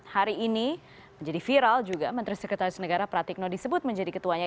hari ini menjadi viral juga menteri sekretaris negara pratikno disebut menjadi ketuanya